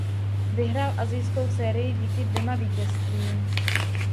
Vyhrál asijskou sérii díky dvěma vítězstvím.